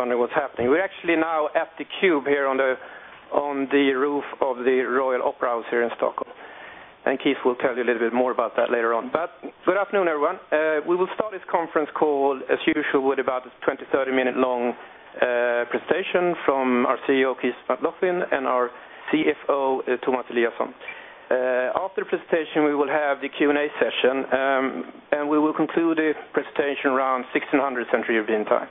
wondering what's happening. We're actually now at The Cube here on the, on the roof of the Royal Opera House here in Stockholm, and Keith will tell you a little bit more about that later on. Good afternoon, everyone. We will start this conference call, as usual, with about a 20, 30-minute long presentation from our CEO, Keith McLoughlin, and our CFO, Tomas Eliasson. After the presentation, we will have the Q&A session, and we will conclude the presentation around 4:00 P.M. Central European Time.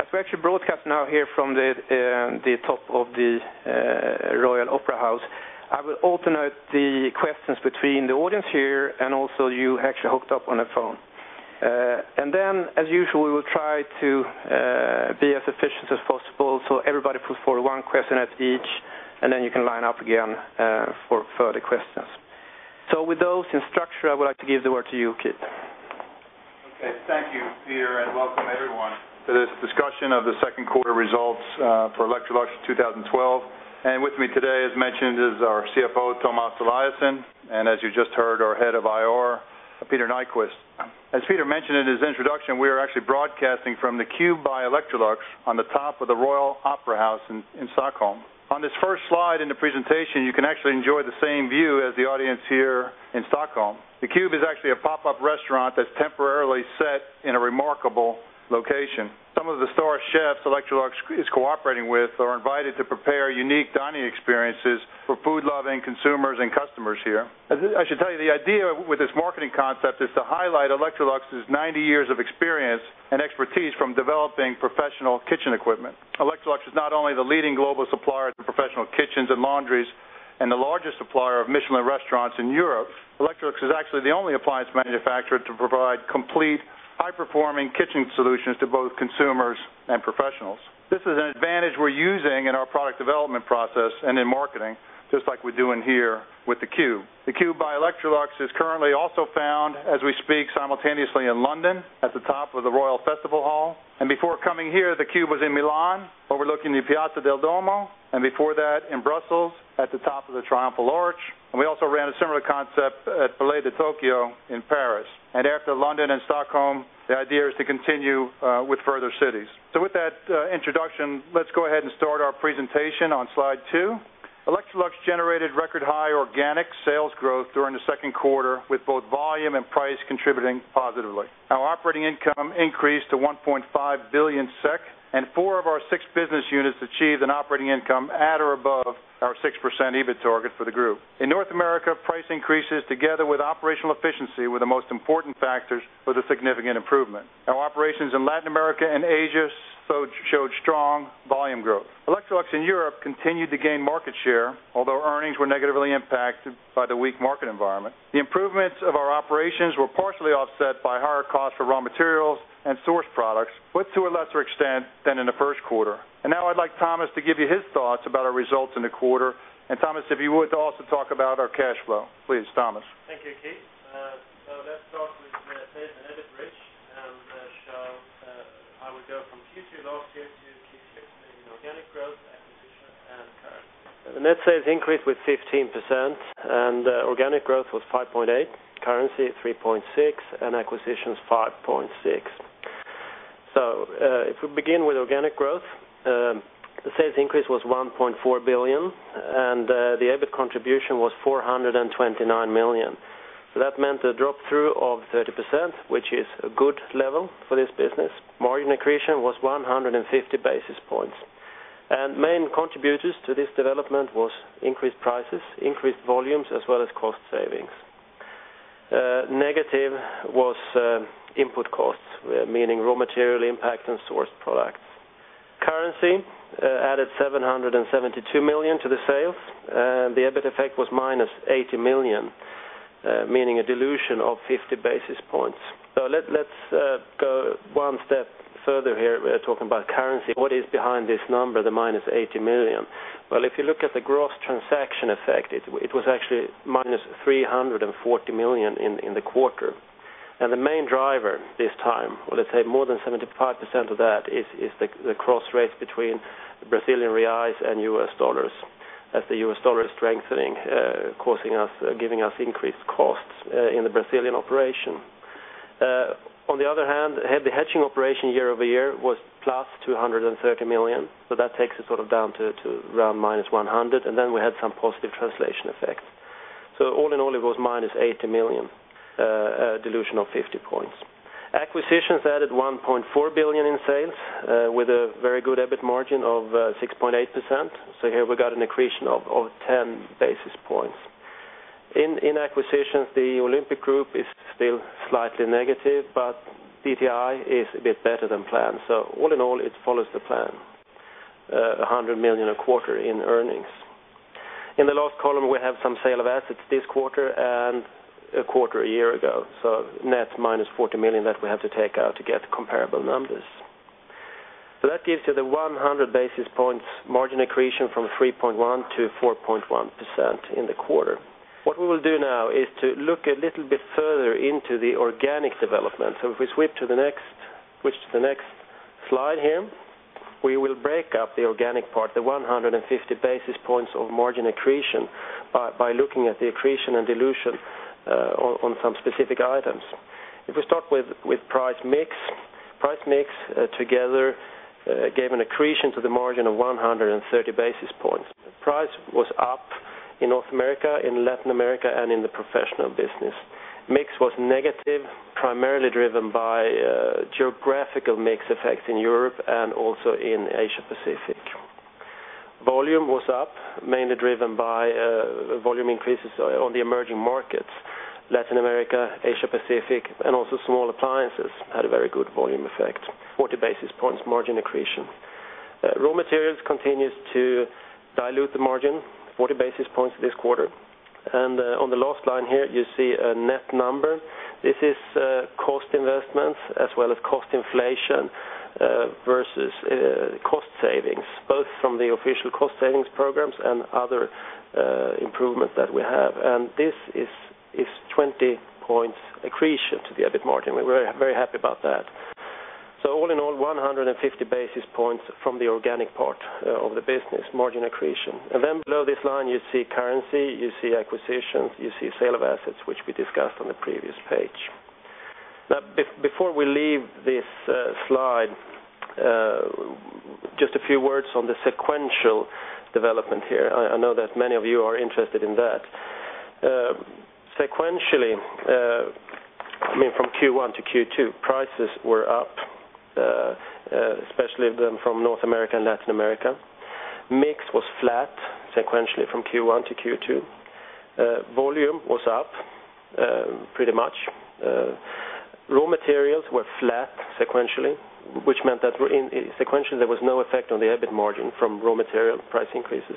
As we actually broadcast now here from the top of the, Royal Opera House, I will alternate the questions between the audience here and also you actually hooked up on the phone. As usual, we will try to be as efficient as possible, so everybody put forward one question at each, and then you can line up again for further questions. With those in structure, I would like to give the word to you, Keith. Okay, thank you, Peter, and welcome everyone to this discussion of the second quarter results for Electrolux 2012. With me today, as mentioned, is our CFO, Tomas Eliasson, and as you just heard, our Head of IR, Peter Nyquist. As Peter mentioned in his introduction, we are actually broadcasting from The Cube by Electrolux on the top of the Royal Opera House in Stockholm. On this first slide in the presentation, you can actually enjoy the same view as the audience here in Stockholm. The Cube is actually a pop-up restaurant that's temporarily set in a remarkable location. Some of the star chefs Electrolux is cooperating with are invited to prepare unique dining experiences for food-loving consumers and customers here. I should tell you, the idea with this marketing concept is to highlight Electrolux's 90 years of experience and expertise from developing professional kitchen equipment. Electrolux is not only the leading global supplier to professional kitchens and laundries and the largest supplier of Michelin restaurants in Europe, Electrolux is actually the only appliance manufacturer to provide complete, high-performing kitchen solutions to both consumers and professionals. This is an advantage we're using in our product development process and in marketing, just like we're doing here with The Cube. The Cube by Electrolux is currently also found, as we speak, simultaneously in London, at the top of the Royal Festival Hall, and before coming here, The Cube was in Milan, overlooking the Piazza del Duomo, and before that, in Brussels, at the top of the Triumphal Arch. We also ran a similar concept at Palais de Tokyo in Paris. After London and Stockholm, the idea is to continue with further cities. With that introduction, let's go ahead and start our presentation on slide two. Electrolux generated record high organic sales growth during the second quarter, with both volume and price contributing positively. Our operating income increased to 1.5 billion SEK, and four of our six business units achieved an operating income at or above our 6% EBIT target for the group. In North America, price increases, together with operational efficiency, were the most important factors for the significant improvement. Our operations in Latin America and Asia showed strong volume growth. Electrolux in Europe continued to gain market share, although earnings were negatively impacted by the weak market environment. The improvements of our operations were partially offset by higher costs for raw materials and sourced products, but to a lesser extent than in the first quarter. Now I'd like Tomas to give you his thoughts about our results in the quarter. Tomas, if you would also talk about our cash flow. Please, Tomas. Thank you, Keith. Let's start with the EBIT bridge. I will go from Q2 last year to Q6, meaning organic growth, acquisition, and currency. The net sales increased with 15%. Organic growth was 5.8%, currency 3.6%, and acquisitions 5.6%. If we begin with organic growth, the sales increase was 1.4 billion. The EBIT contribution was 429 million. That meant a drop-through of 30%, which is a good level for this business. Margin accretion was 150 basis points. Main contributors to this development was increased prices, increased volumes, as well as cost savings. Negative was input costs, meaning raw material impact and sourced products. Currency added 772 million to the sales, and the EBIT effect was -80 million, meaning a dilution of 50 basis points. Let's go one step further here. We're talking about currency. What is behind this number, the -80 million? Well, if you look at the gross transaction effect, it was actually -340 million in the quarter. The main driver this time, well, let's say more than 75% of that is the cross rates between Brazilian reais and U.S. dollars, as the U.S. dollar is strengthening, giving us increased costs in the Brazilian operation. On the other hand, the hedging operation year-over-year was +230 million, so that takes us sort of down to around -100 million, and then we had some positive translation effects. All in all, it was -80 million, a dilution of 50 points. Acquisitions added 1.4 billion in sales, with a very good EBIT margin of 6.8%. Here we got an accretion of 10 basis points. In acquisitions, the Olympic Group is still slightly negative, but CTI is a bit better than planned. All in all, it follows the plan, 100 million a quarter in earnings. In the last column, we have some sale of assets this quarter and a quarter a year ago, net -40 million that we have to take out to get comparable numbers. That gives you the 100 basis points margin accretion from 3.1% to 4.1% in the quarter. What we will do now is to look a little bit further into the organic development. If we switch to the next slide here, we will break up the organic part, the 150 basis points of margin accretion, by looking at the accretion and dilution on some specific items. If we start with price mix. Price mix together gave an accretion to the margin of 130 basis points. Price was up in North America, in Latin America, and in the professional business. Mix was negative, primarily driven by geographical mix effects in Europe and also in Asia Pacific. Volume was up, mainly driven by volume increases on the emerging markets, Latin America, Asia Pacific, and also small appliances had a very good volume effect, 40 basis points margin accretion. Raw materials continues to dilute the margin, 40 basis points this quarter. On the last line here, you see a net number. This is cost investments as well as cost inflation versus cost savings, both from the official cost savings programs and other improvement that we have. This is 20 points accretion to the EBIT margin. We're very happy about that. All in all, 150 basis points from the organic part of the business margin accretion. Below this line, you see currency, you see acquisitions, you see sale of assets, which we discussed on the previous page. Before we leave this slide, just a few words on the sequential development here. I know that many of you are interested in that. Sequentially, I mean, from Q1 to Q2, prices were up, especially them from North America and Latin America. Mix was flat sequentially from Q1 to Q2. Volume was up pretty much. Raw materials were flat sequentially, which meant that sequentially, there was no effect on the EBIT margin from raw material price increases.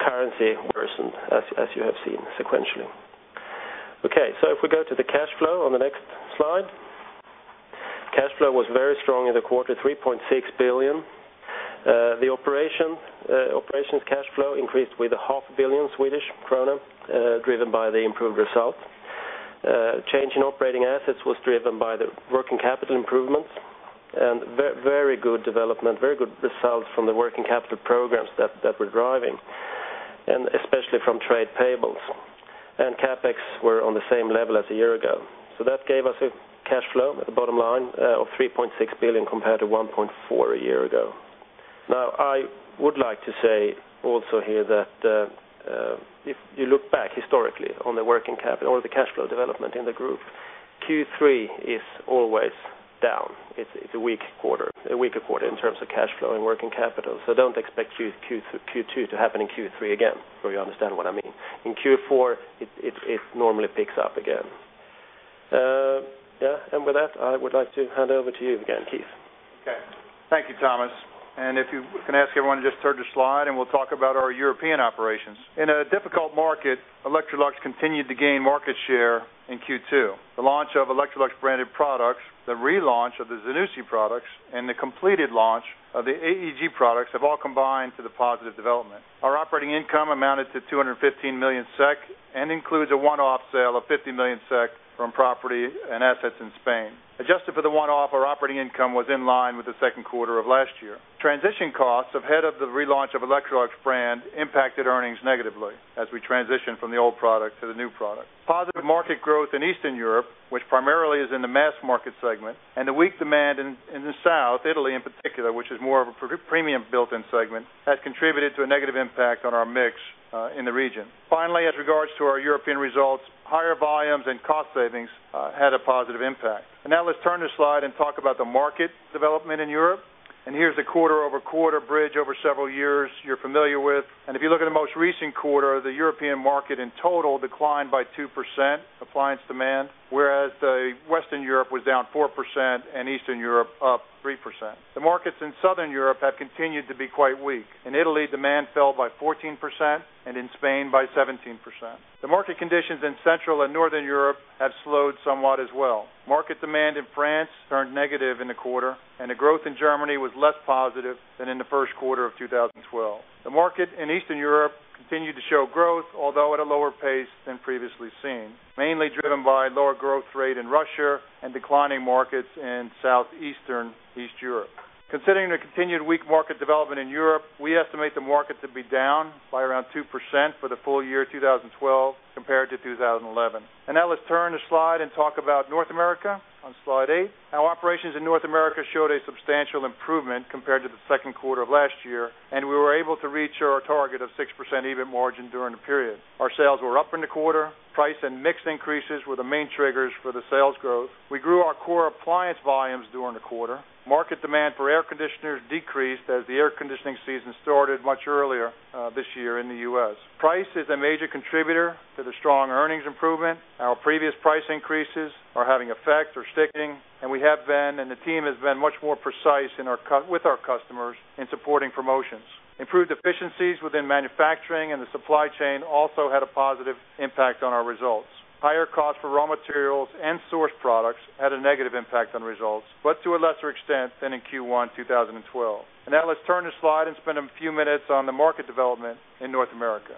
Currency worsened, as you have seen, sequentially. If we go to the cash flow on the next slide. Cash flow was very strong in the quarter, 3.6 billion. The operations cash flow increased with a $500 million Swedish krona, driven by the improved results. Change in operating assets was driven by the working capital improvements and very good development, very good results from the working capital programs that we're driving, and especially from trade payables. CapEx were on the same level as a year ago. That gave us a cash flow at the bottom line of 3.6 billion compared to 1.4 billion a year ago. I would like to say also here that if you look back historically on the working cap or the cash flow development in the group, Q3 is always down. It's a weak quarter, a weaker quarter in terms of cash flow and working capital. Don't expect Q2 to happen in Q3 again, so you understand what I mean. In Q4, it normally picks up again. Yeah, with that, I would like to hand over to you again, Keith. Okay. Thank you, Tomas. If you can ask everyone to just turn to slide, and we'll talk about our European operations. In a difficult market, Electrolux continued to gain market share in Q2. The launch of Electrolux branded products, the relaunch of the Zanussi products, and the completed launch of the AEG products have all combined to the positive development. Our operating income amounted to 215 million SEK, and includes a one-off sale of 50 million SEK from property and assets in Spain. Adjusted for the one-off, our operating income was in line with the second quarter of last year. Transition costs ahead of the relaunch of Electrolux brand impacted earnings negatively as we transition from the old product to the new product. Positive market growth in Eastern Europe, which primarily is in the mass market segment, and the weak demand in the South, Italy in particular, which is more of a pre-premium built-in segment, has contributed to a negative impact on our mix in the region. Finally, as regards to our European results, higher volumes and cost savings had a positive impact. Now let's turn the slide and talk about the market development in Europe. Here's the quarter-over-quarter bridge over several years you're familiar with. If you look at the most recent quarter, the European market in total declined by 2%, appliance demand, whereas Western Europe was down 4% and Eastern Europe up 3%. The markets in Southern Europe have continued to be quite weak. In Italy, demand fell by 14%, and in Spain, by 17%. The market conditions in Central and Northern Europe have slowed somewhat as well. Market demand in France turned negative in the quarter. The growth in Germany was less positive than in the first quarter of 2012. The market in Eastern Europe continued to show growth, although at a lower pace than previously seen, mainly driven by lower growth rate in Russia and declining markets in Southeastern Europe. Considering the continued weak market development in Europe, we estimate the market to be down by around 2% for the full year 2012 compared to 2011. Now let's turn the slide and talk about North America on slide eight. Our operations in North America showed a substantial improvement compared to the second quarter of last year. We were able to reach our target of 6% EBIT margin during the period. Our sales were up in the quarter. Price and mix increases were the main triggers for the sales growth. We grew our core appliance volumes during the quarter. Market demand for air conditioners decreased as the air conditioning season started much earlier this year in the U.S. Price is a major contributor to the strong earnings improvement. Our previous price increases are having effect or sticking. We have been, and the team has been much more precise with our customers in supporting promotions. Improved efficiencies within manufacturing and the supply chain also had a positive impact on our results. Higher costs for raw materials and sourced products had a negative impact on results, to a lesser extent than in Q1 2012. Now let's turn the slide and spend a few minutes on the market development in North America.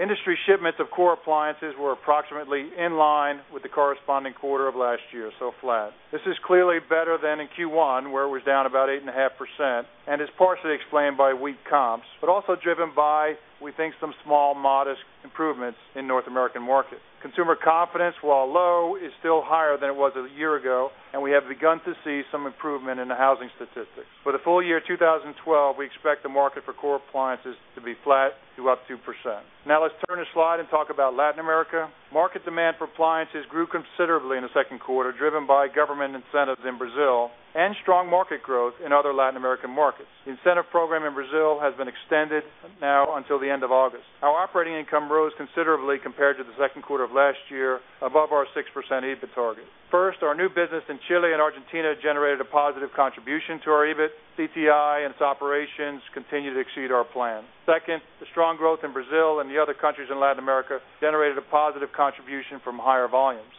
Industry shipments of core appliances were approximately in line with the corresponding quarter of last year, so flat. This is clearly better than in Q1, where it was down about 8.5%, and is partially explained by weak comps, but also driven by, we think, some small, modest improvements in North American market. Consumer confidence, while low, is still higher than it was a year ago, and we have begun to see some improvement in the housing statistics. For the full year 2012, we expect the market for core appliances to be flat to up 2%. Let's turn the slide and talk about Latin America. Market demand for appliances grew considerably in the second quarter, driven by government incentives in Brazil and strong market growth in other Latin American markets. The incentive program in Brazil has been extended now until the end of August. Our operating income rose considerably compared to the second quarter of last year, above our 6% EBIT target. Our new business in Chile and Argentina generated a positive contribution to our EBIT. CTI and its operations continue to exceed our plan. The strong growth in Brazil and the other countries in Latin America generated a positive contribution from higher volumes.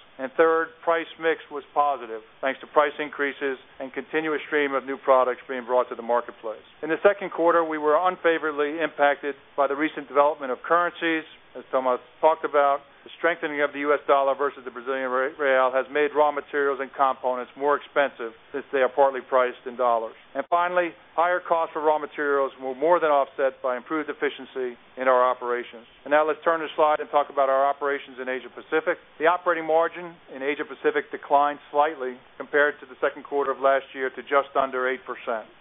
Price mix was positive, thanks to price increases and continuous stream of new products being brought to the marketplace. In the second quarter, we were unfavorably impacted by the recent development of currencies. As Tomas talked about, the strengthening of the U.S. dollar versus the Brazilian real has made raw materials and components more expensive since they are partly priced in U.S. dollars. Finally, higher costs for raw materials were more than offset by improved efficiency in our operations. Now let's turn the slide and talk about our operations in Asia Pacific. The operating margin in Asia Pacific declined slightly compared to the second quarter of last year to just under 8%.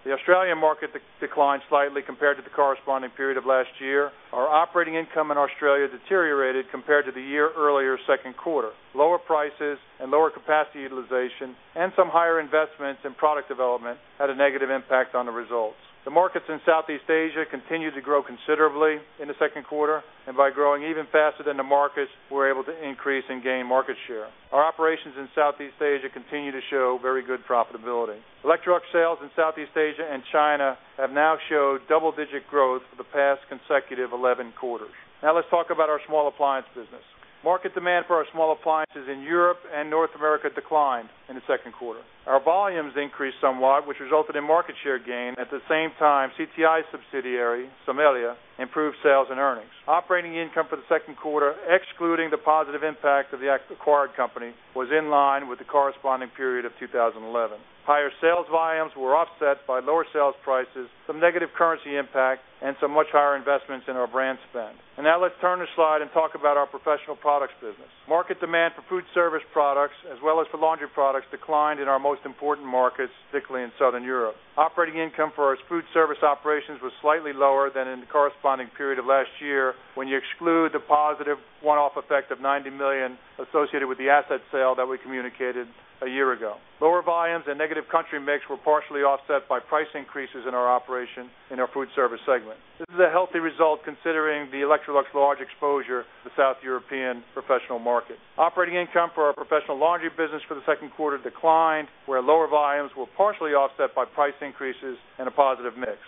The Australian market declined slightly compared to the corresponding period of last year. Our operating income in Australia deteriorated compared to the year earlier second quarter. Lower prices and lower capacity utilization and some higher investments in product development had a negative impact on the results. The markets in Southeast Asia continued to grow considerably in the second quarter. By growing even faster than the markets, we're able to increase and gain market share. Our operations in Southeast Asia continue to show very good profitability. Electrolux sales in Southeast Asia and China have now showed double-digit growth for the past consecutive 11 quarters. Let's talk about our small appliance business. Market demand for our small appliances in Europe and North America declined in the second quarter. Our volumes increased somewhat, which resulted in market share gain. At the same time, CTI subsidiary, Somela, improved sales and earnings. Operating income for the second quarter, excluding the positive impact of the acquired company, was in line with the corresponding period of 2011. Higher sales volumes were offset by lower sales prices, some negative currency impact, and some much higher investments in our brand spend. Now let's turn the slide and talk about our professional products business. Market demand for food service products, as well as for laundry products, declined in our most important markets, particularly in Southern Europe. Operating income for our food service operations was slightly lower than in the corresponding period of last year, when you exclude the positive one-off effect of 90 million associated with the asset sale that we communicated a year ago. Lower volumes and negative country mix were partially offset by price increases in our operations in our food service segment. This is a healthy result considering the Electrolux large exposure to the Southern European professional market. Operating income for our professional laundry business for the second quarter declined, where lower volumes were partially offset by price increases and a positive mix.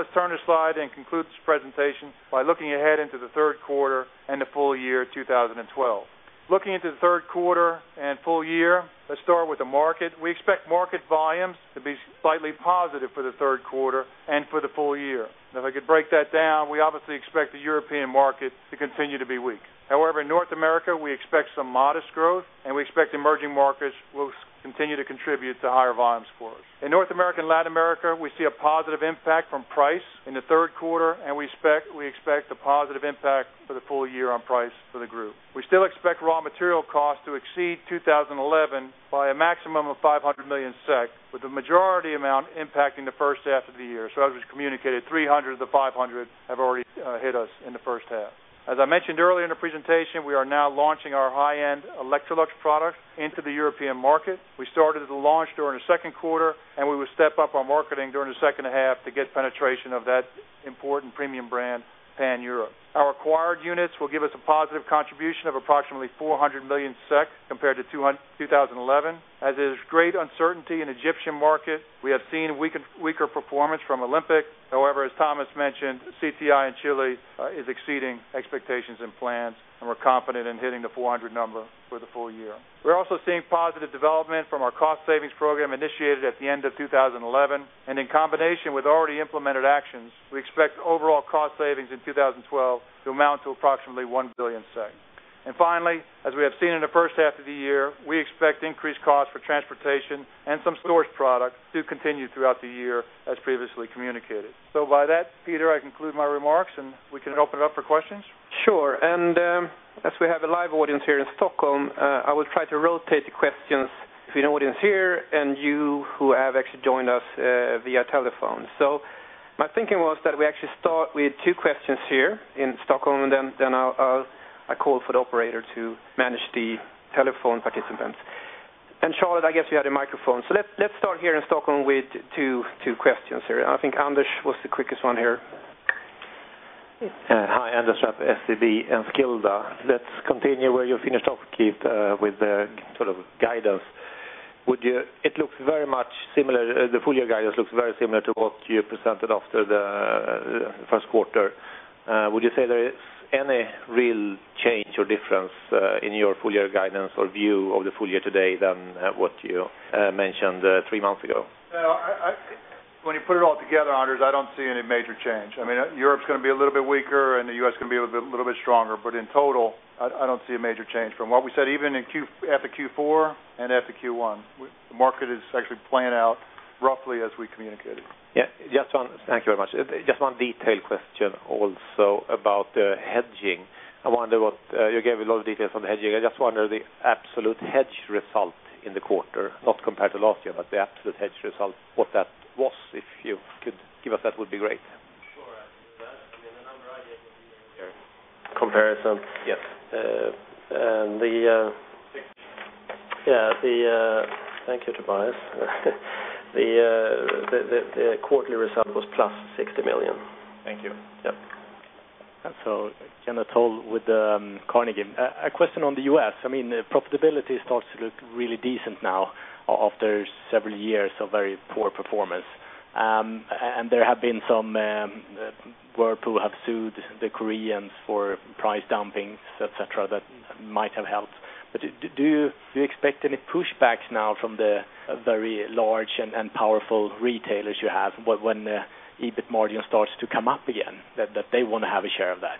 Let's turn the slide and conclude this presentation by looking ahead into the third quarter and the full year 2012. Looking into the third quarter and full year, let's start with the market. We expect market volumes to be slightly positive for the third quarter and for the full year. If I could break that down, we obviously expect the European market to continue to be weak. In North America, we expect some modest growth, and we expect emerging markets will continue to contribute to higher volumes for us. In North America and Latin America, we see a positive impact from price in the third quarter, we expect a positive impact for the full year on price for the group. We still expect raw material costs to exceed 2011 by a maximum of 500 million SEK, with the majority amount impacting the first half of the year. As was communicated, 300 million-500 million have already hit us in the first half. As I mentioned earlier in the presentation, we are now launching our high-end Electrolux products into the European market. We started the launch during the second quarter, we will step up our marketing during the second half to get penetration of that important premium brand pan-Europe. Our acquired units will give us a positive contribution of approximately 400 million SEK compared to 2011. As there's great uncertainty in Egyptian market, we have seen weaker performance from Olympic. As Tomas mentioned, CTI in Chile is exceeding expectations and plans, and we're confident in hitting the 400 number for the full year. We're also seeing positive development from our cost savings program initiated at the end of 2011. In combination with already implemented actions, we expect overall cost savings in 2012 to amount to approximately 1 billion. Finally, as we have seen in the first half of the year, we expect increased costs for transportation and some storage products to continue throughout the year as previously communicated. By that, Peter, I conclude my remarks, and we can open it up for questions. Sure. As we have a live audience here in Stockholm, I will try to rotate the questions between audience here and you who have actually joined us via telephone. My thinking was that we actually start with two questions here in Stockholm, then I'll call for the operator to manage the telephone participants. Charlotte, I guess you had a microphone. Let's start here in Stockholm with two questions here. I think Anders was the quickest one here. Yes. Hi, Anders Trapp, SEB Enskilda. Let's continue where you finished off, Keith, with the sort of guidance. It looks very much similar, the full year guidance looks very similar to what you presented after the first quarter. Would you say there is any real change or difference in your full year guidance or view of the full year today than what you mentioned three months ago? When you put it all together, Anders, I don't see any major change. I mean, Europe's gonna be a little bit weaker, and the U.S. is gonna be a little bit stronger. But in total, I don't see a major change from what we said, even at the Q4 and at the Q1. The market is actually playing out roughly as we communicated. Yeah, just one. Thank you very much. Just one detailed question also about the hedging. I wonder what you gave a lot of details on the hedging. I just wonder the absolute hedge result in the quarter, not compared to last year, but the absolute hedge result, what that was. If you could give us that would be great. Sure, I can do that. I mean, the number I gave you here. Comparison. Yes. Thank you, Tomas. The quarterly result was +60 million. Thank you. Yep. Kenneth Toll with Carnegie. A question on the U.S. I mean, profitability starts to look really decent now after several years of very poor performance. There have been some, Whirlpool have sued the Koreans for price dumpings, et cetera, that might have helped. Do you expect any pushbacks now from the very large and powerful retailers you have, when the EBIT margin starts to come up again, that they want to have a share of that?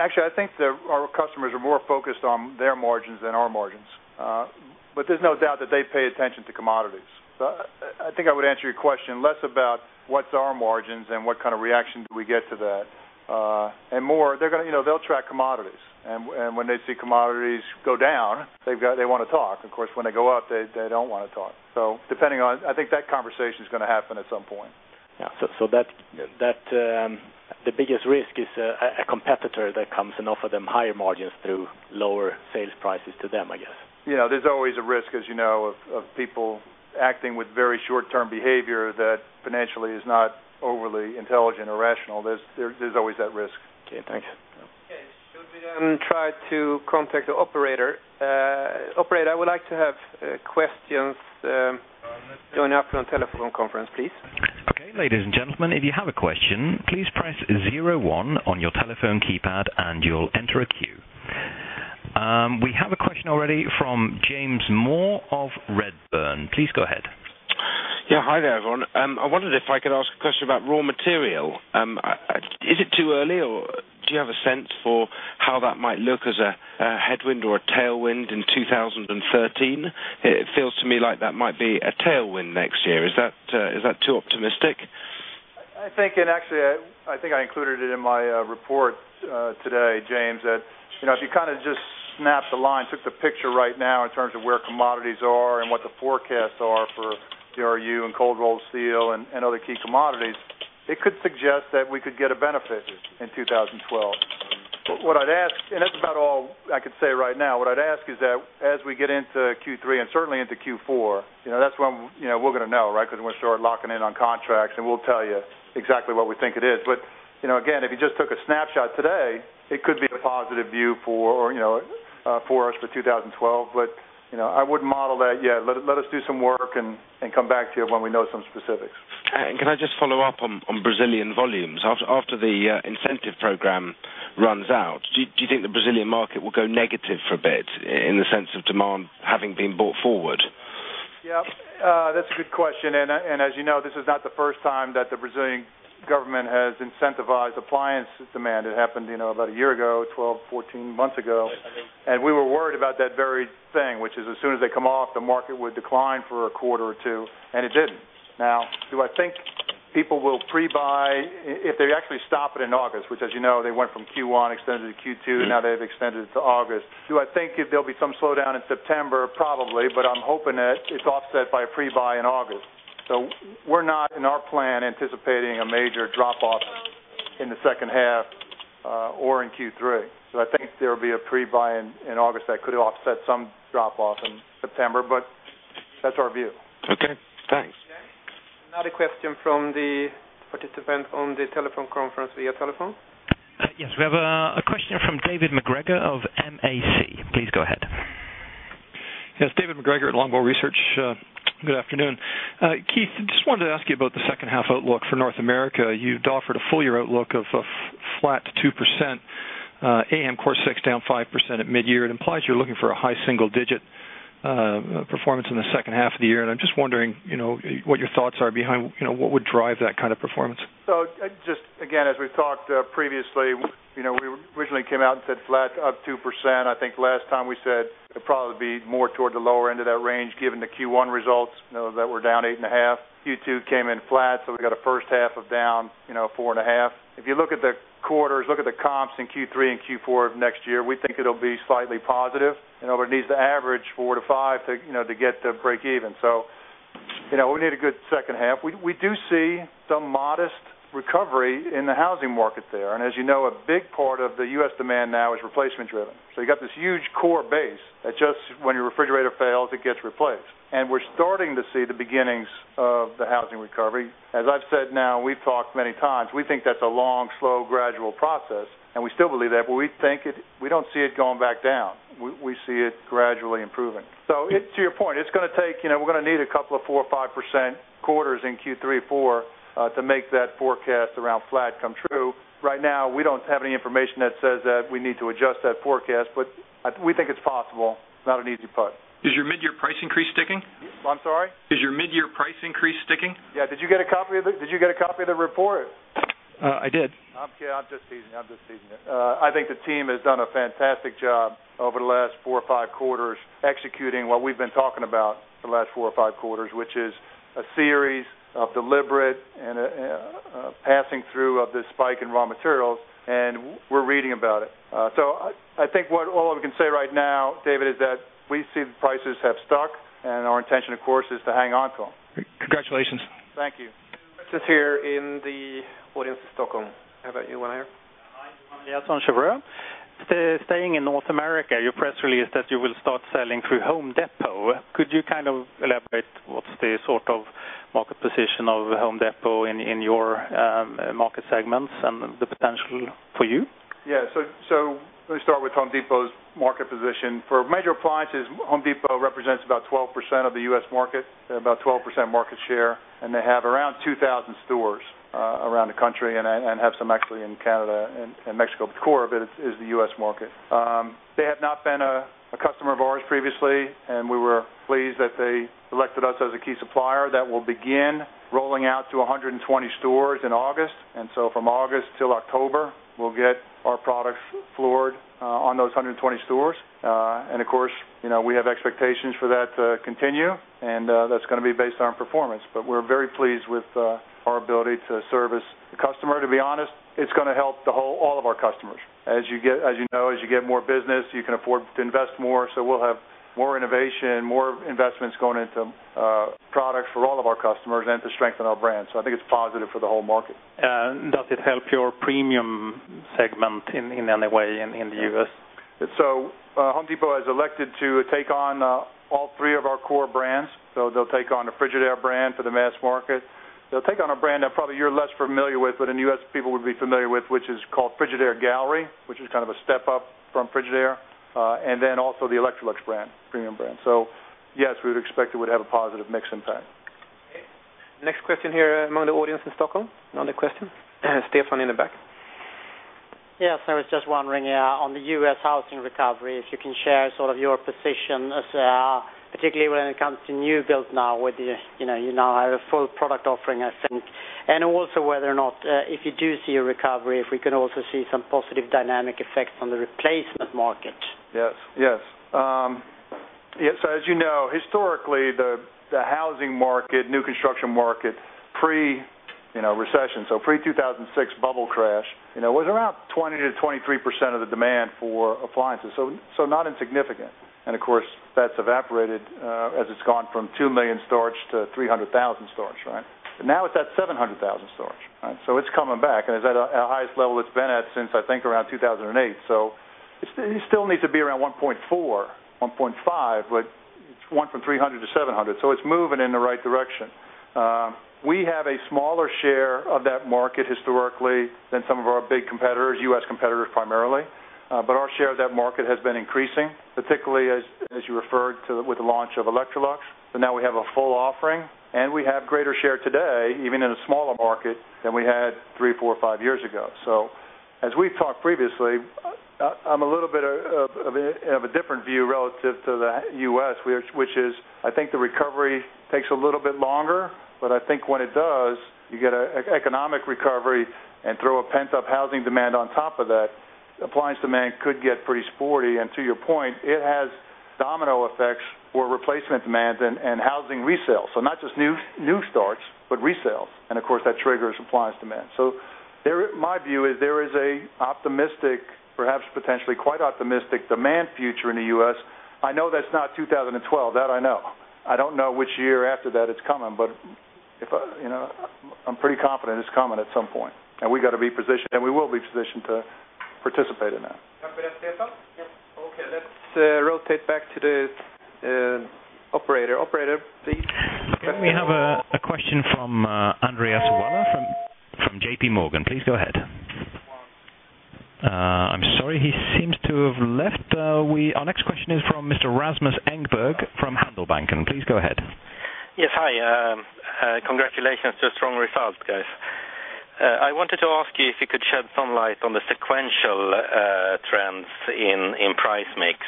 Actually, I think that our customers are more focused on their margins than our margins. There's no doubt that they pay attention to commodities. I think I would answer your question less about what's our margins and what kind of reaction do we get to that, and more, they're gonna, you know, they'll track commodities, and when they see commodities go down, they wanna talk. Of course, when they go up, they don't wanna talk. Depending on, I think that conversation is gonna happen at some point. Yeah. That, the biggest risk is a competitor that comes and offer them higher margins through lower sales prices to them, I guess? Yeah, there's always a risk, as you know, of people acting with very short-term behavior that financially is not overly intelligent or rational. There's always that risk. Okay, thanks. Should we then try to contact the operator? Operator, I would like to have questions showing up on telephone conference, please. Okay, ladies and gentlemen, if you have a question, please press zero one on your telephone keypad, you'll enter a queue. We have a question already from James Moore of Redburn. Please go ahead. Yeah, hi there, everyone. I wondered if I could ask a question about raw material. Is it too early, or do you have a sense for how that might look as a headwind or a tailwind in 2013? It feels to me like that might be a tailwind next year. Is that, is that too optimistic? I think, and actually, I think I included it in my report today, James, that, you know, if you kind of just snapped the line, took the picture right now in terms of where commodities are and what the forecasts are for DRU and cold rolled steel and other key commodities, it could suggest that we could get a benefit in 2012. What I'd ask, and that's about all I could say right now, what I'd ask is that as we get into Q3 and certainly into Q4, you know, that's when, you know, we're gonna know, right? Because we'll start locking in on contracts, and we'll tell you exactly what we think it is. You know, again, if you just took a snapshot today, it could be a positive view for, you know, for us for 2012. You know, I wouldn't model that yet. Let us do some work and come back to you when we know some specifics. Can I just follow up on Brazilian volumes? After the incentive program runs out, do you think the Brazilian market will go negative for a bit in the sense of demand having been brought forward? Yeah, that's a good question. As you know, this is not the first time that the Brazilian government has incentivized appliance demand. It happened, you know, about a year ago, 12, 14 months ago, and we were worried about that very thing, which is as soon as they come off, the market would decline for a quarter or two, and it didn't. Do I think people will pre-buy if they actually stop it in August, which, as you know, they went from Q1, extended to Q2, now they've extended it to August. Do I think there'll be some slowdown in September? Probably, but I'm hoping that it's offset by a pre-buy in August. We're not, in our plan, anticipating a major drop-off in the second half, or in Q3. I think there will be a pre-buy in August that could offset some drop-off in September, but that's our view. Okay, thanks. Another question from the participant on the telephone conference via telephone. Yes, we have a question from David MacGregor of MAC. Please go ahead. Yes, David MacGregor at Longbow Research. Good afternoon. Keith, I just wanted to ask you about the second half outlook for North America. You'd offered a full year outlook of flat to 2%, AHAM Core 6 down 5% at mid-year. It implies you're looking for a high single digit performance in the second half of the year. I'm just wondering, you know, what your thoughts are behind, you know, what would drive that kind of performance? Just again, as we've talked, previously, you know, we originally came out and said flat, up 2%. I think last time we said it'd probably be more toward the lower end of that range, given the Q1 results, you know, that we're down 8.5%. Q2 came in flat, so we got a first half of down, you know, 4.5%. If you look at the quarters, look at the comps in Q3 and Q4 of next year, we think it'll be slightly positive. It needs to average 4%-5% to, you know, to get to break even. You know, we need a good second half. We do see some modest recovery in the housing market there. As you know, a big part of the U.S. demand now is replacement driven. You got this huge core base that just when your refrigerator fails, it gets replaced, and we're starting to see the beginnings of the housing recovery. As I've said now, we've talked many times, we think that's a long, slow, gradual process, and we still believe that. We think it, we don't see it going back down. We see it gradually improving. To your point, it's gonna take, you know, we're gonna need a couple of 4% or 5% quarters in Q3, Q4, to make that forecast around flat come true. Right now, we don't have any information that says that we need to adjust that forecast, but, we think it's possible. It's not an easy putt. Does your mid-year price increase stick? I'm sorry? Is your mid-year price increase sticking? Yeah. Did you get a copy of the report? I did. I'm, yeah, I'm just teasing. I'm just teasing you. I think the team has done a fantastic job over the last four or five quarters, executing what we've been talking about for the last four or five quarters, which is a series of deliberate and, passing through of this spike in raw materials, and we're reading about it. I think what all I can say right now, David, is that we see the prices have stuck, and our intention, of course, is to hang on to them. Congratulations. Thank you. Just here in the audience in Stockholm. How about you, want to hear? Hi, I'm Johan Eliason. Staying in North America, your press release that you will start selling through Home Depot. Could you kind of elaborate what's the sort of market position of Home Depot in your market segments and the potential for you? Yeah, so let me start with Home Depot's market position. For major appliances, Home Depot represents about 12% of the U.S. market, about 12% market share, and they have around 2,000 stores around the country and have some actually in Canada and Mexico, the core of it is the U.S. market. They have not been a customer of ours previously, we were pleased that they selected us as a key supplier that will begin rolling out to 120 stores in August. From August till October, we'll get our products floored on those 120 stores. Of course, you know, we have expectations for that to continue, that's gonna be based on performance. We're very pleased with our ability to service the customer. To be honest, it's gonna help all of our customers. As you know, as you get more business, you can afford to invest more. We'll have more innovation, more investments going into products for all of our customers and to strengthen our brand. I think it's positive for the whole market. Does it help your premium segment in any way in the U.S.? Home Depot has elected to take on all three of our core brands. They'll take on the Frigidaire brand for the mass market. They'll take on a brand that probably you're less familiar with, but in U.S., people would be familiar with, which is called Frigidaire Gallery, which is kind of a step up from Frigidaire, and then also the Electrolux brand, premium brand. Yes, we would expect it would have a positive mix impact. Okay. Next question here among the audience in Stockholm. Another question. Stefan in the back. Yes, I was just wondering on the U.S. housing recovery, if you can share sort of your position as, particularly when it comes to new builds now, whether, you know, you now have a full product offering, I think? Whether or not, if you do see a recovery, if we can also see some positive dynamic effects on the replacement market? Yes, yes. As you know, historically, the housing market, new construction market, pre, you know, recession, pre-2006 bubble crash, you know, was around 20%-23% of the demand for appliances, not insignificant. Of course, that's evaporated as it's gone from 2 million starts to 300,000 starts, right? Now it's at 700,000 starts, right? It's coming back, and it's at a highest level it's been at since, I think, around 2008. It still needs to be around 1.4, 1.5, but it went from 300 to 700, it's moving in the right direction. We have a smaller share of that market historically than some of our big competitors, U.S. competitors, primarily. Our share of that market has been increasing, particularly as you referred to with the launch of Electrolux. Now we have a full offering, and we have greater share today, even in a smaller market than we had three, four, or five years ago. As we've talked previously, I'm a little bit of a different view relative to the U.S., which is I think the recovery takes a little bit longer, but I think when it does, you get an economic recovery and throw a pent-up housing demand on top of that, appliance demand could get pretty sporty. To your point, it has domino effects for replacement demands and housing resales. Not just new starts, but resales, and of course, that triggers appliance demand. There. my view is there is a optimistic, perhaps potentially quite optimistic demand future in the U.S. I know that's not 2012. That I know. I don't know which year after that it's coming, but if, you know, I'm pretty confident it's coming at some point, and we got to be positioned, and we will be positioned to participate in that. Okay, Stefan? Yep. Okay, let's rotate back to the operator. Operator, please. We have a question from Andreas Willi from JP Morgan. Please go ahead. I'm sorry, he seems to have left. Our next question is from Mr. Rasmus Engberg, from Handelsbanken. Please go ahead. Yes, hi. Congratulations to a strong result, guys. I wanted to ask you if you could shed some light on the sequential trends in price mix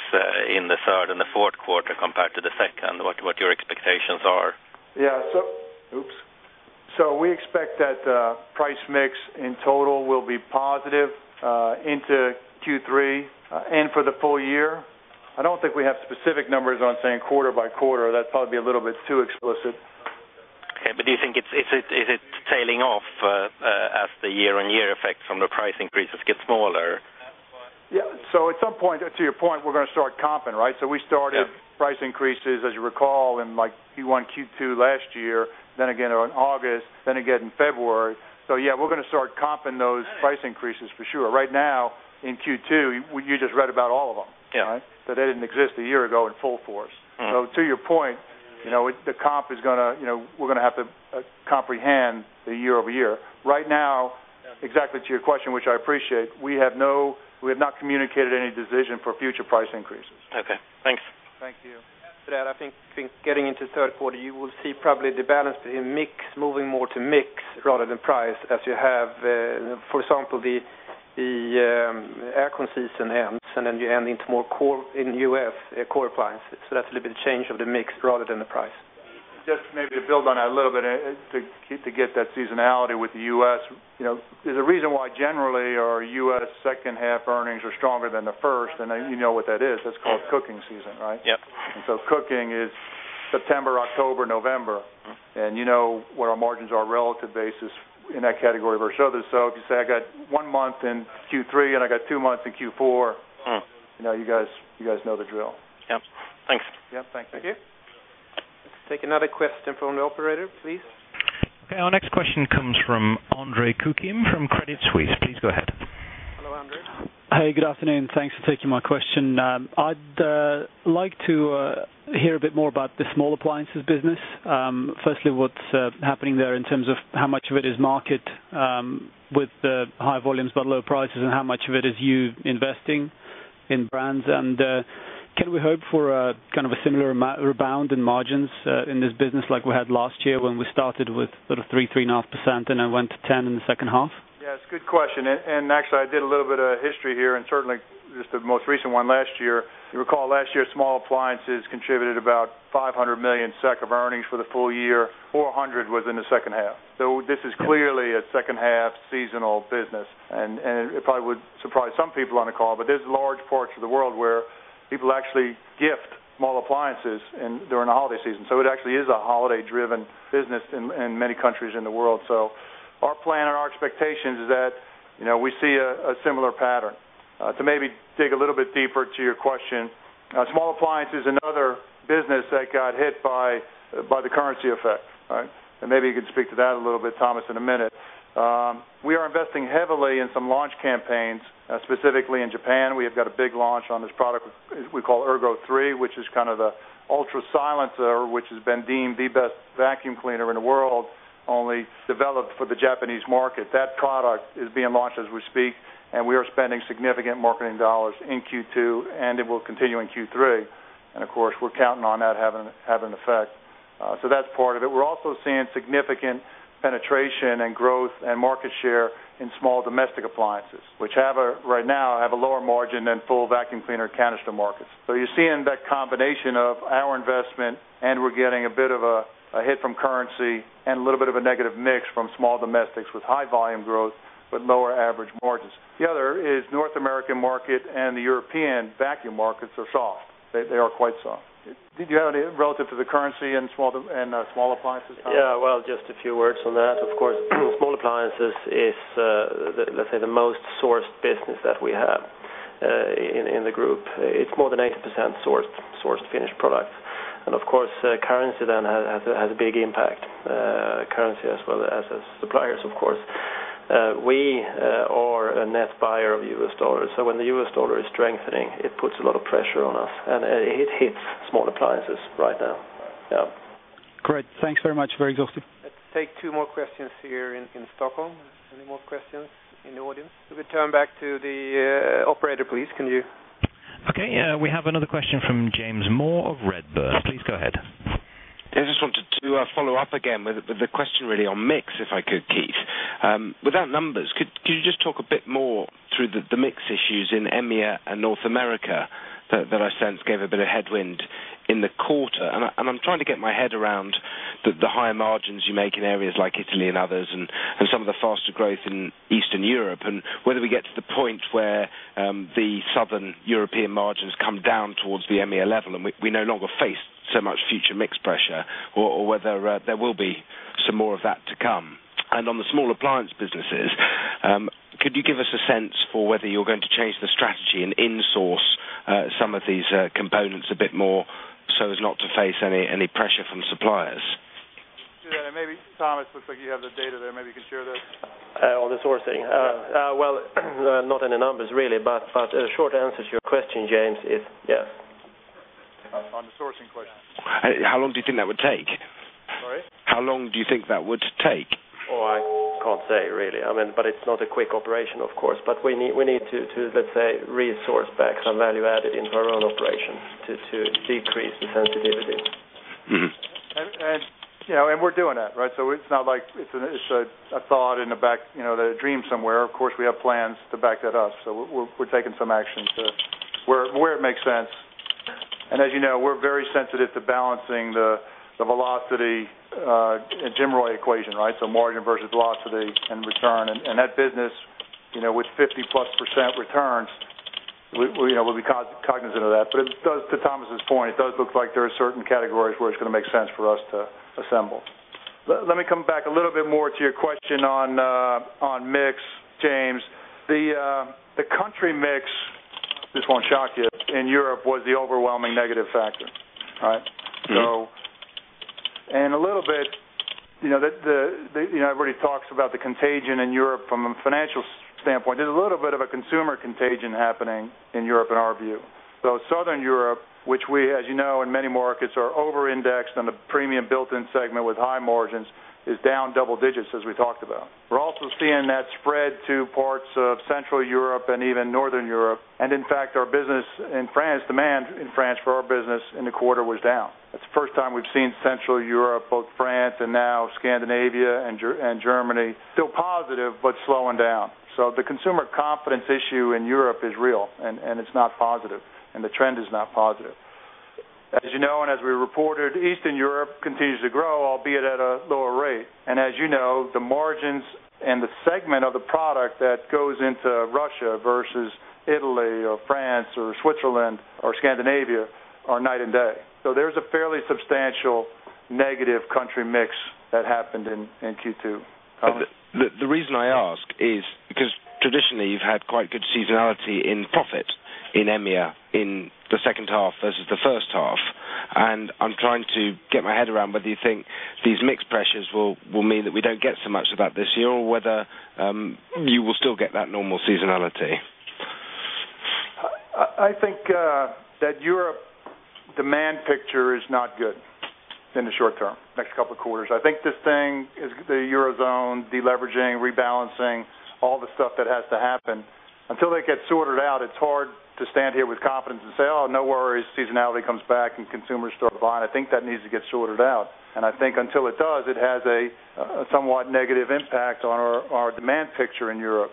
in the third and the fourth quarter compared to the second, what your expectations are? Yeah. Oops! We expect that price mix in total will be positive into Q3 and for the full year. I don't think we have specific numbers on saying quarter-by-quarter. That's probably a little bit too explicit. Okay, but do you think it's, is it tailing off, as the year-on-year effects from the price increases get smaller? Yeah. At some point, to your point, we're going to start comping, right? Yeah. We started price increases, as you recall, in like Q1, Q2 last year, then again on August, then again in February. Yeah, we're going to start comping those price increases for sure. Right now, in Q2, you just read about all of them. Yeah. Right? They didn't exist a year ago in full force. Mm-hmm. To your point, you know, the comp is gonna, you know, we're gonna have to comprehend the year-over-year. Right now, exactly to your question, which I appreciate, we have not communicated any decision for future price increases. Okay, thanks. Thank you. After that, I think getting into the third quarter, you will see probably the balance in mix, moving more to mix rather than price, as you have, for example, the air condition ends, and then you end into more core in the U.S., core appliances. That's a little bit of change of the mix rather than the price. Just maybe to build on that a little bit, to get that seasonality with the U.S., you know, there's a reason why generally our U.S. second half earnings are stronger than the first, and then you know what that is. That's called cooking season, right? Yep. Cooking is September, October, November. Mm-hmm. You know where our margins are relative basis in that category versus others. If you say I got one month in Q3, and I got two months in Q4. Mm. You know, you guys, you guys know the drill. Yep. Thanks. Yep, thank you. Thank you. Let's take another question from the operator, please. Okay, our next question comes from Andre Kukhnin from Credit Suisse. Please go ahead. Hello, Andre. Hey, good afternoon. Thanks for taking my question. I'd like to hear a bit more about the small appliances business. Firstly, what's happening there in terms of how much of it is market with the high volumes but low prices, and how much of it is you investing in brands? Can we hope for a kind of a similar rebound in margins in this business like we had last year when we started with sort of 3% - 3.5%, and then went to 10% in the second half? Yes, good question. Actually, I did a little bit of history here, and certainly just the most recent one last year. You recall last year, small appliances contributed about 500 million SEK of earnings for the full year, 400 was in the second half. This is clearly. Yeah a second half seasonal business, and it probably would surprise some people on the call, but there's large parts of the world where people actually gift small appliances during the holiday season. It actually is a holiday-driven business in many countries in the world. Our plan and our expectations is that, you know, we see a similar pattern. To maybe dig a little bit deeper to your question, small appliance is another business that got hit by the currency effect, right? Maybe you can speak to that a little bit, Tomas, in a minute. We are investing heavily in some launch campaigns, specifically in Japan. We have got a big launch on this product we call ErgoThree, which is kind of the UltraSilencer, which has been deemed the best vacuum cleaner in the world, only developed for the Japanese market. That product is being launched as we speak. We are spending significant marketing dollars in Q2. It will continue in Q3. Of course, we're counting on that having an effect. That's part of it. We're also seeing significant penetration and growth and market share in small domestic appliances, which right now, have a lower margin than full vacuum cleaner canister markets. You're seeing that combination of our investment, and we're getting a bit of a hit from currency and a little bit of a negative mix from small domestics with high volume growth, but lower average margins. The other is North American market and the European vacuum markets are soft. They are quite soft. Did you have any relative to the currency and small appliances, Tomas? Well, just a few words on that. Of course, small appliances is, let's say, the most sourced business that we have in the group. It's more than 80% sourced finished products. Of course, currency then has a big impact, currency as well as the suppliers, of course. We are a net buyer of U.S. dollars, so when the U.S. dollar is strengthening, it puts a lot of pressure on us, and it hits small appliances right now. Great. Thanks very much. Very exhaustive. Let's take two more questions here in Stockholm. Any more questions in the audience? We return back to the operator, please, can you? Okay, we have another question from James Moore of Redburn. Please go ahead. I just wanted to follow up again with the question really on mix, if I could, Keith? Without numbers, could you just talk a bit more through the mix issues in EMEA and North America that I sense gave a bit of headwind in the quarter? I'm trying to get my head around the higher margins you make in areas like Italy and others, and some of the faster growth in Eastern Europe, and whether we get to the point where the Southern European margins come down towards the EMEA level, and we no longer face so much future mix pressure, or whether there will be some more of that to come? On the small appliance businesses, could you give us a sense for whether you're going to change the strategy and insource some of these components a bit more so as not to face any pressure from suppliers? Yeah, maybe Tomas, looks like you have the data there. Maybe you can share that. On the sourcing. Well, not in the numbers, really, but the short answer to your question, James, is yes. On the sourcing question. How long do you think that would take? Sorry? How long do you think that would take? Oh, I can't say, really. I mean, but it's not a quick operation, of course, but we need to, let's say, resource back some value added into our own operation to decrease the sensitivity. Mm-hmm. You know, we're doing that, right? It's not like it's a thought in the back, you know, the dream somewhere. Of course, we have plans to back that up, so we're taking some action to where it makes sense. As you know, we're very sensitive to balancing the velocity, GMROI equation, right? Margin versus velocity and return. That business, you know, with 50+% returns, we, you know, we'll be cognizant of that. It does, to Tomas's point, it does look like there are certain categories where it's going to make sense for us to assemble. Let me come back a little bit more to your question on mix, James. The country mix, this won't shock you, in Europe, was the overwhelming negative factor, right? Mm-hmm. A little bit, you know, the, you know, everybody talks about the contagion in Europe from a financial standpoint. There's a little bit of a consumer contagion happening in Europe, in our view. Southern Europe, which we, as you know, in many markets, are over-indexed on the premium built-in segment with high margins, is down double digits, as we talked about. We're also seeing that spread to parts of Central Europe and even Northern Europe. In fact, our business in France, demand in France for our business in the quarter was down. That's the first time we've seen Central Europe, both France and now Scandinavia and Germany, still positive, but slowing down. The consumer confidence issue in Europe is real, and it's not positive, and the trend is not positive. As you know, and as we reported, Eastern Europe continues to grow, albeit at a lower rate. As you know, the margins and the segment of the product that goes into Russia versus Italy or France or Switzerland or Scandinavia are night and day. There's a fairly substantial negative country mix that happened in Q2. The reason I ask is because traditionally, you've had quite good seasonality in profit in EMEA, in the second half versus the first half, and I'm trying to get my head around whether you think these mixed pressures will mean that we don't get so much of that this year, or whether you will still get that normal seasonality. I think that Europe demand picture is not good in the short term, next couple of quarters. I think this thing is the Eurozone, deleveraging, rebalancing, all the stuff that has to happen. Until they get sorted out, it's hard to stand here with confidence and say, "Oh, no worries, seasonality comes back and consumers start buying." I think that needs to get sorted out, and I think until it does, it has a somewhat negative impact on our demand picture in Europe.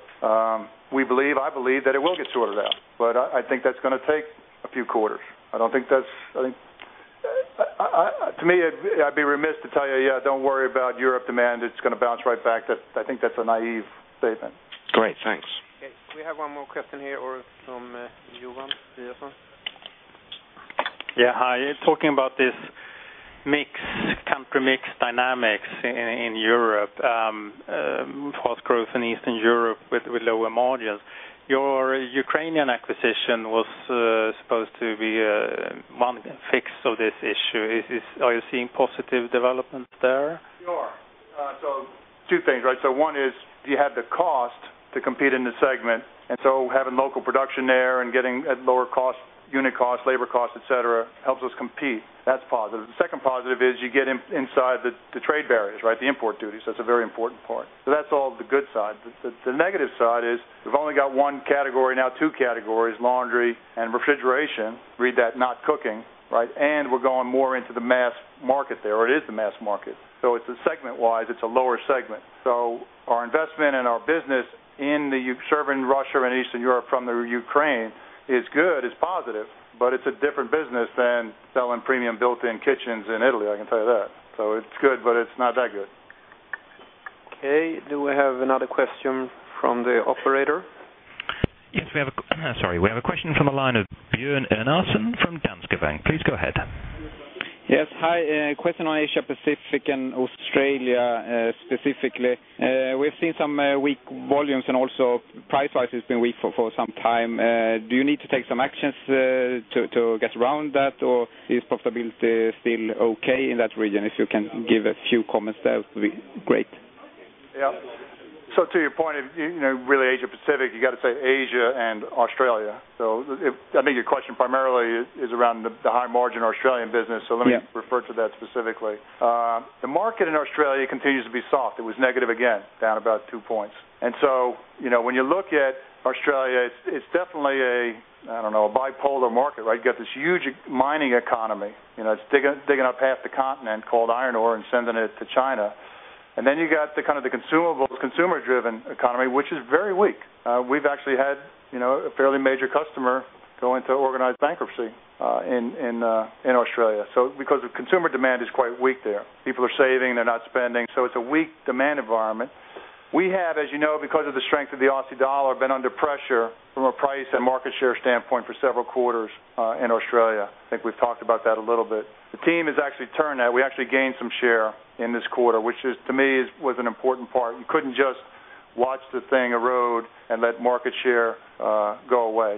We believe, I believe that it will get sorted out, but I think that's gonna take a few quarters. I think, I, to me, I'd be remiss to tell you, "Yeah, don't worry about Europe demand. It's gonna bounce right back." I think that's a naive statement. Great, thanks. Okay, we have one more question here from Johan Eliason. Hi. Talking about this mix, country mix dynamics in Europe, fast growth in Eastern Europe with lower margins. Your Ukrainian acquisition was supposed to be a one fix of this issue. Are you seeing positive developments there? We are. Two things, right? One is you have the cost to compete in the segment, and having local production there and getting at lower cost, unit cost, labor cost, et cetera, helps us compete. That's positive. The second positive is you get inside the trade barriers, right? The import duties. That's a very important part. That's all the good side. The negative side is we've only got one category now, two categories, laundry and refrigeration. Read that, not cooking, right? We're going more into the mass market there, or it is the mass market. It's a segment wise, it's a lower segment. Our investment and our business in the serving Russia and Eastern Europe from the Ukraine is good, it's positive, but it's a different business than selling premium built-in kitchens in Italy, I can tell you that. It's good, but it's not that good. Okay, do we have another question from the operator? Yes, sorry. We have a question from the line of Björn Enarson from Danske Bank. Please go ahead. Yes, hi. Question on Asia-Pacific and Australia, specifically? We've seen some weak volumes, and also price-wise, it's been weak for some time. Do you need to take some actions to get around that, or is profitability still okay in that region? If you can give a few comments, that would be great. Yeah. To your point, you know, really, Asia-Pacific, you got to say Asia and Australia. I think your question primarily is around the high margin Australian business. Yeah. Let me refer to that specifically. The market in Australia continues to be soft. It was negative again, down about 2 points. You know, when you look at Australia, it's definitely a bipolar market, right? You got this huge mining economy, you know, it's digging up half the continent, cold iron ore and sending it to China. Then you got the kind of the consumables, consumer-driven economy, which is very weak. We've actually had, you know, a fairly major customer go into organized bankruptcy in Australia. Because the consumer demand is quite weak there. People are saving, they're not spending, so it's a weak demand environment. We have, as you know, because of the strength of the Aussie dollar, been under pressure from a price and market share standpoint for several quarters in Australia. I think we've talked about that a little bit. The team has actually turned that. We actually gained some share in this quarter, which to me was an important part. You couldn't just watch the thing erode and let market share go away.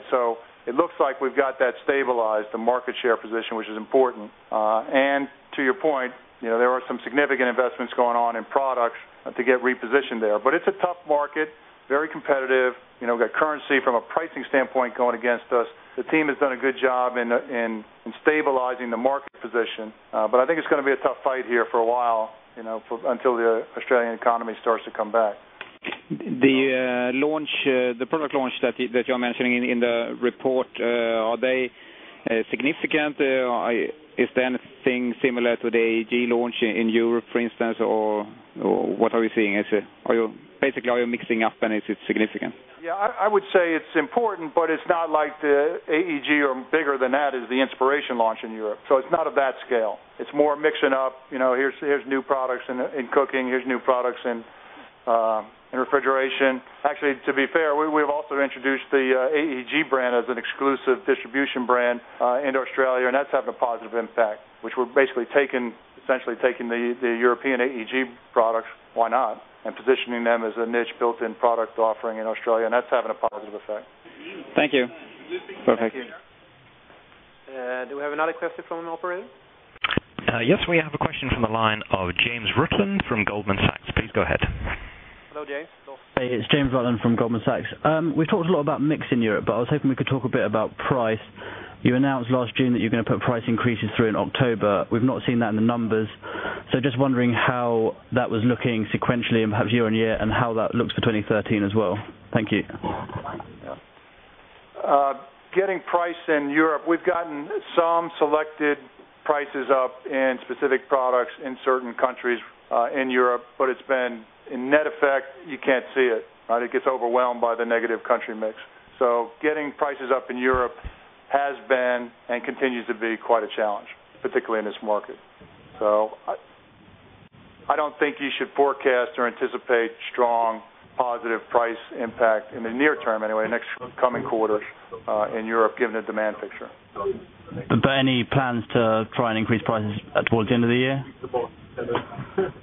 It looks like we've got that stabilized, the market share position, which is important. To your point, you know, there are some significant investments going on in products to get repositioned there. It's a tough market, very competitive, you know, we've got currency from a pricing standpoint, going against us. The team has done a good job in stabilizing the market position, but I think it's gonna be a tough fight here for a while, you know, until the Australian economy starts to come back. The launch, the product launch that you are mentioning in the report, are they significant? Is there anything similar to the AEG launch in Europe, for instance, or what are we seeing? Are you basically mixing up and is it significant? I would say it's important, but it's not like the AEG or bigger than that, is the inspiration launch in Europe. It's not of that scale. It's more mixing up. You know, here's new products in cooking, here's new products in refrigeration. Actually, to be fair, we've also introduced the AEG brand as an exclusive distribution brand in Australia, and that's having a positive impact, which we're basically taking, essentially taking the European AEG products. Why not? Positioning them as a niche built-in product offering in Australia, and that's having a positive effect. Thank you. Perfect. Do we have another question from the operator? Yes, we have a question from the line of James Aaron from Goldman Sachs. Please go ahead. Hello, James. Hey, it's James Aaron from Goldman Sachs. We've talked a lot about mix in Europe, but I was hoping we could talk a bit about price. You announced last June that you're gonna put price increases through in October. We've not seen that in the numbers. Just wondering how that was looking sequentially and perhaps year-over-year, and how that looks for 2013 as well. Thank you. Getting price in Europe, we've gotten some selected prices up in specific products in certain countries, in Europe. In net effect, you can't see it, right? It gets overwhelmed by the negative country mix. Getting prices up in Europe has been and continues to be quite a challenge, particularly in this market. I don't think you should forecast or anticipate strong positive price impact in the near term, anyway, next coming quarters, in Europe, given the demand picture. Any plans to try and increase prices towards the end of the year? We could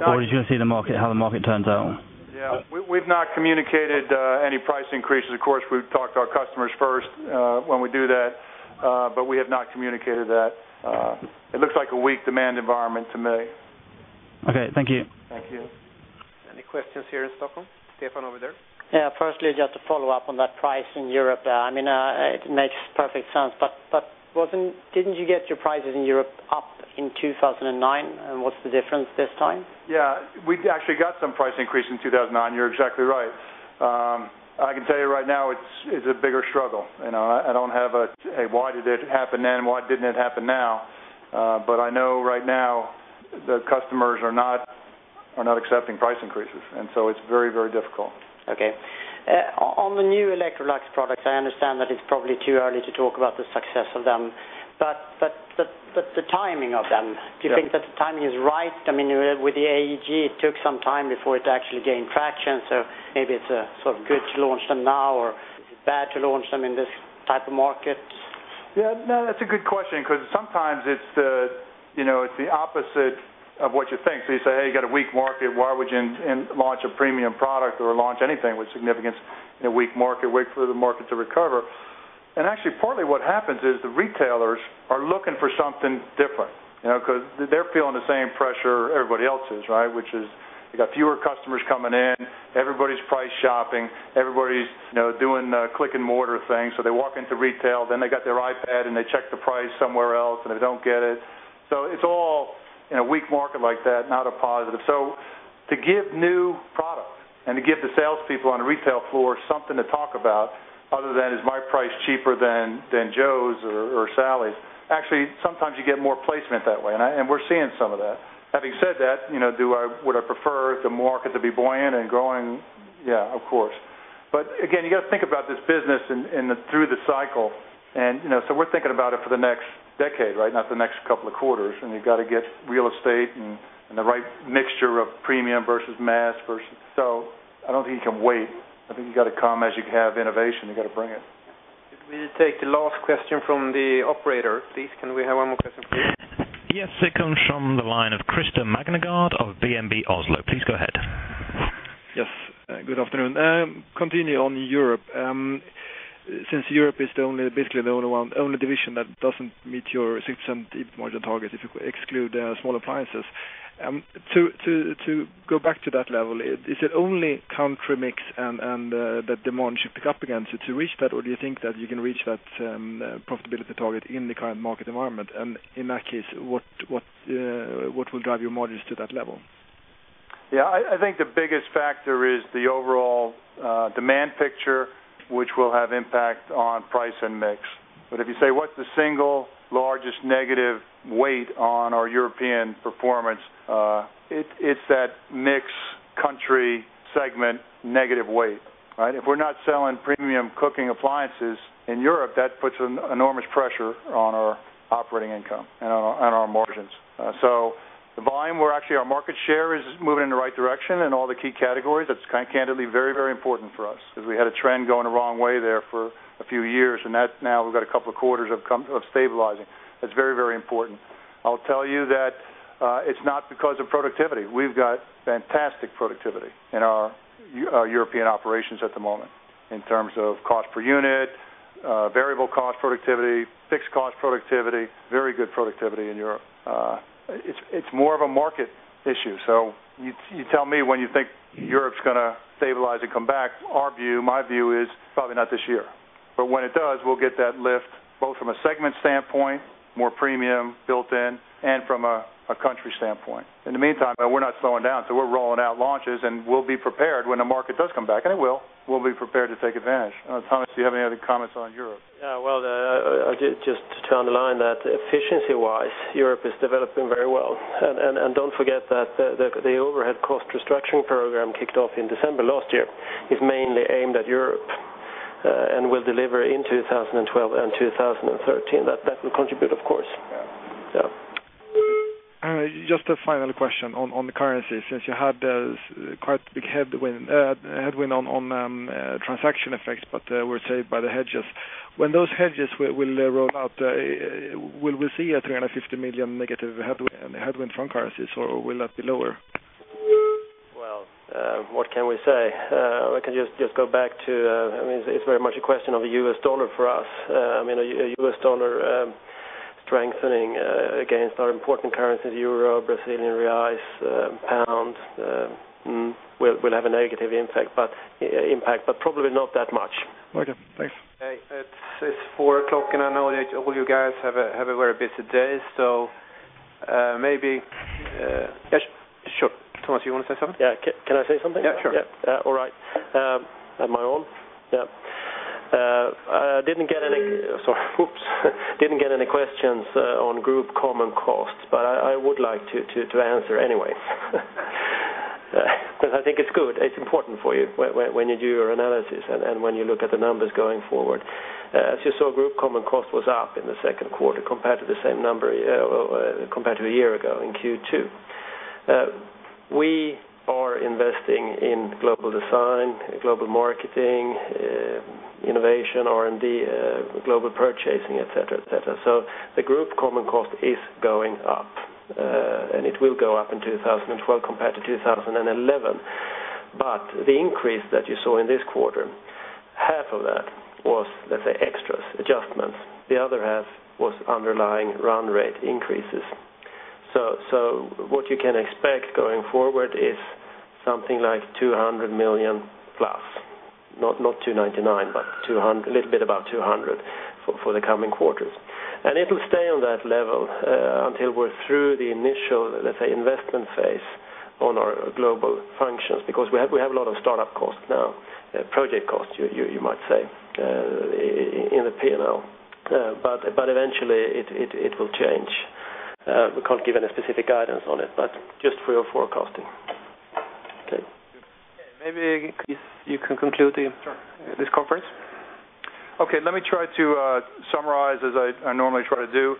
not. are you gonna see the market, how the market turns out? We've not communicated any price increases. Of course, we've talked to our customers first, when we do that, but we have not communicated that. It looks like a weak demand environment to me. Okay, thank you. Thank you. Any questions here in Stockholm? Stefan, over there. Yeah, firstly, just to follow up on that price in Europe. I mean, it makes perfect sense, but didn't you get your prices in Europe up in 2009, and what's the difference this time? Yeah, we actually got some price increase in 2009. You're exactly right. I can tell you right now, it's a bigger struggle. You know, I don't have a why did it happen then, why didn't it happen now? I know right now the customers are not accepting price increases, and so it's very difficult. Okay. on the new Electrolux products, I understand that it's probably too early to talk about the success of them, but the timing of them- Yeah. Do you think that the timing is right? I mean, with the AEG, it took some time before it actually gained traction, so maybe it's a sort of good to launch them now or bad to launch them in this type of market. Yeah, no, that's a good question because sometimes it's the, you know, it's the opposite of what you think. You say, "Hey, you got a weak market, why would you launch a premium product or launch anything with significance in a weak market? Wait for the market to recover." Actually, partly what happens is the retailers are looking for something different, you know, because they're feeling the same pressure everybody else is, right? Which is you got fewer customers coming in, everybody's price shopping, everybody's, you know, doing click and mortar things. They walk into retail, then they got their iPad, and they check the price somewhere else, and they don't get it. It's all in a weak market like that, not a positive. To give new product and to give the salespeople on the retail floor something to talk about other than, "Is my price cheaper than Joe's or Sally's?" Actually, sometimes you get more placement that way, and we're seeing some of that. Having said that, you know, would I prefer the market to be buoyant and growing? Yeah, of course. Again, you got to think about this business in the, through the cycle and, you know, we're thinking about it for the next decade, right? Not the next couple of quarters, and you've got to get real estate and the right mixture of premium versus mass versus. I don't think you can wait. I think you've got to come as you have innovation, you've got to bring it. We take the last question from the operator. Please, can we have one more question, please? Yes, it comes from the line of Christer Magnergård of DNB Markets. Please go ahead. Yes, good afternoon. Continuing on Europe, since Europe is the only, basically the only one, only division that doesn't meet your 6% EBIT margin target, if you could exclude small appliances. To go back to that level, is it only country mix and that demand should pick up again to reach that, or do you think that you can reach that profitability target in the current market environment? In that case, what will drive your margins to that level? Yeah, I think the biggest factor is the overall demand picture, which will have impact on price and mix. If you say: What's the single largest negative weight on our European performance? It's that mix, country, segment, negative weight, right? If we're not selling premium cooking appliances in Europe, that puts an enormous pressure on our operating income and on our margins. The volume, we're actually our market share is moving in the right direction in all the key categories. That's kind candidly, very, very important for us because we had a trend going the wrong way there for a few years, and that's now we've got a couple of quarters of stabilizing. That's very, very important. I'll tell you that, it's not because of productivity. We've got fantastic productivity in our European operations at the moment in terms of cost per unit, variable cost productivity, fixed cost productivity, very good productivity in Europe. It's more of a market issue. You tell me when you think Europe's gonna stabilize and come back. Our view, my view is probably not this year, but when it does, we'll get that lift both from a segment standpoint, more premium built in, and from a country standpoint. In the meantime, we're not slowing down, so we're rolling out launches, and we'll be prepared when the market does come back, and it will. We'll be prepared to take advantage. Tomas, do you have any other comments on Europe? Yeah, well, just to underline that efficiency-wise, Europe is developing very well. Don't forget that the overhead cost restructuring program kicked off in December last year, is mainly aimed at Europe, and will deliver in 2012 and 2013. That will contribute, of course. Yeah. Yeah. Just a final question on the currency, since you had quite a big headwind on transaction effects, but were saved by the hedges. When those hedges will roll out, will we see a 350 million negative headwind from currencies, or will that be lower? What can we say? We can just go back to. I mean, it's very much a question of the U.S. dollar for us. I mean, a U.S. dollar strengthening against our important currencies, Euro, Brazilian reais, pound, will have a negative impact, but probably not that much. Okay, thanks. Hey, it's 4:00, I know that all you guys have a very busy day. Maybe, yes, sure. Tomas, you want to say something? Yeah. Can I say something? Yeah, sure. Yeah. All right. Am I on? Yeah. I didn't get any questions on group common costs, but I would like to answer anyway. Cause I think it's good, it's important for you when you do your analysis and when you look at the numbers going forward. As you saw, group common cost was up in the second quarter compared to the same number, compared to a year ago in Q2. We are investing in global design, global marketing, innovation, R&D, global purchasing, et cetera, et cetera. The group common cost is going up, and it will go up in 2012 compared to 2011. The increase that you saw in this quarter, half of that was, let's say, extras, adjustments. The other half was underlying run rate increases. What you can expect going forward is something like 200 million plus, not 299 million, but a little bit about 200 million for the coming quarters. It'll stay on that level until we're through the initial, let's say, investment phase on our global functions, because we have a lot of startup costs now, project costs, you might say, in the P&L. Eventually, it will change. We can't give any specific guidance on it, but just for your forecasting. Okay. Maybe if you can conclude. Sure. -this conference. Okay, let me try to summarize as I normally try to do.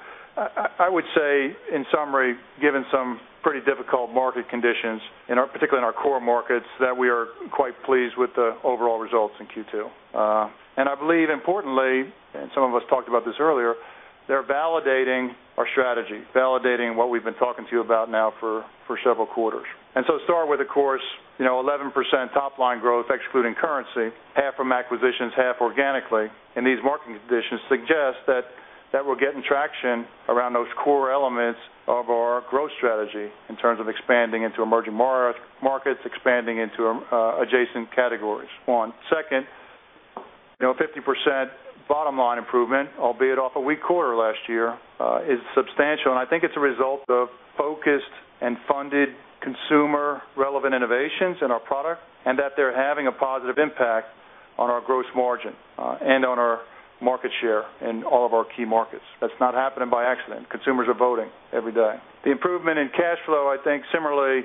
I would say, in summary, given some pretty difficult market conditions, in our, particularly in our core markets, that we are quite pleased with the overall results in Q2. I believe importantly, and some of us talked about this earlier, they're validating our strategy, validating what we've been talking to you about now for several quarters. Start with, of course, you know, 11% top line growth, excluding currency, half from acquisitions, half organically, and these market conditions suggest that we're getting traction around those core elements of our growth strategy in terms of expanding into emerging markets, expanding into adjacent categories, one. Second, you know, 50% bottom line improvement, albeit off a weak quarter last year, is substantial, and I think it's a result of focused and funded consumer-relevant innovations in our product, and that they're having a positive impact on our gross margin, and on our market share in all of our key markets. That's not happening by accident. Consumers are voting every day. The improvement in cash flow, I think, similarly,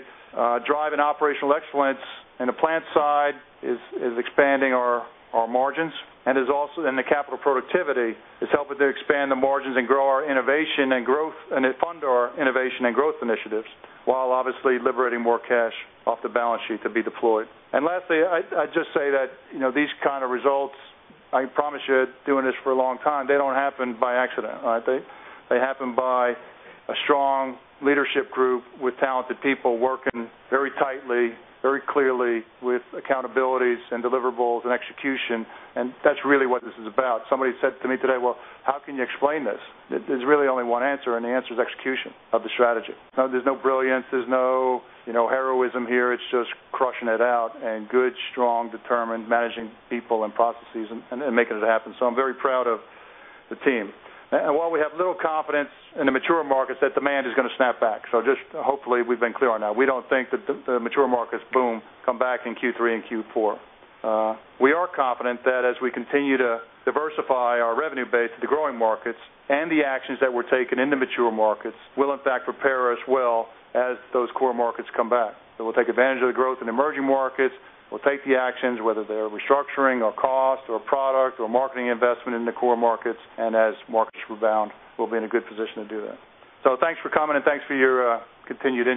driving operational excellence in the plant side is expanding our margins, and is also in the capital productivity, is helping to expand the margins and grow our innovation and growth, and fund our innovation and growth initiatives, while obviously liberating more cash off the balance sheet to be deployed. Lastly, I'd just say that, you know, these kind of results, I promise you, doing this for a long time, they don't happen by accident, all right? They happen by a strong leadership group with talented people working very tightly, very clearly with accountabilities and deliverables and execution, and that's really what this is about. Somebody said to me today, "Well, how can you explain this?" There's really only one answer, and the answer is execution of the strategy. Now, there's no brilliance, there's no, you know, heroism here. It's just crushing it out and good, strong, determined, managing people and processes and making it happen. I'm very proud of the team. While we have little confidence in the mature markets, that demand is gonna snap back. Just hopefully, we've been clear on that. We don't think that the mature markets, boom, come back in Q3 and Q4. We are confident that as we continue to diversify our revenue base to the growing markets and the actions that we're taking in the mature markets, will in fact prepare us well as those core markets come back. We'll take advantage of the growth in emerging markets. We'll take the actions, whether they're restructuring or cost or product or marketing investment in the core markets, and as markets rebound, we'll be in a good position to do that. Thanks for coming, and thanks for your continued interest.